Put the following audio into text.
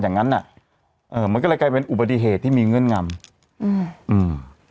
งั้นอ่ะเอ่อมันก็เลยกลายเป็นอุบัติเหตุที่มีเงื่อนงำอืมอืม